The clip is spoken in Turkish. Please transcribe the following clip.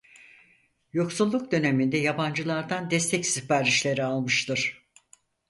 Yoksulluk döneminde yabancılardan destek siparişleri almıştır.